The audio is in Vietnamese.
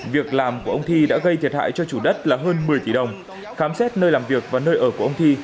việc làm của ông thi đã gây thiệt hại cho chủ đất là hơn một mươi tỷ đồng khám xét nơi làm việc và nơi ở của ông thi